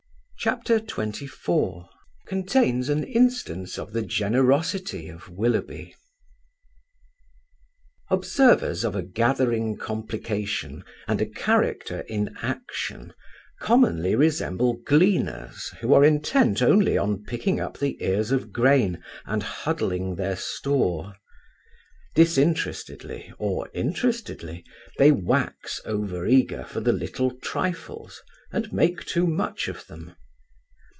CHAPTER XXIV CONTAINS AN INSTANCE OF THE GENEROSITY OF WILLOUGHBY Observers of a gathering complication and a character in action commonly resemble gleaners who are intent only on picking up the cars of grain and huddling their store. Disinterestedly or interestedly they wax over eager for the little trifles, and make too much of them.